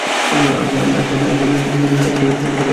আমরা বিষয়টা পত্রিকায় ফাঁস করতে পারি।